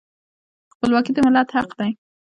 خپلواکي د ملت حق دی.